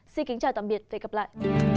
xin kính chào tạm biệt và hẹn gặp lại